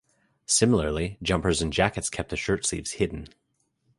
Similarly, jumpers and jackets kept the shirtsleeves hidden.